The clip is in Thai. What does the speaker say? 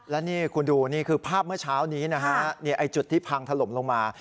และนี่คุณดูนี่คือภาพเมื่อเช้านี้นะฮะจุดที่พังถล่มลงมา